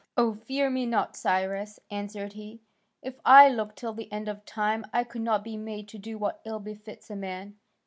"Oh, fear me not, Cyrus," answered he; "if I looked till the end of time I could not be made to do what ill befits a man."